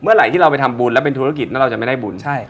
ไหลที่เราไปทำบุญแล้วเป็นธุรกิจแล้วเราจะไม่ได้บุญ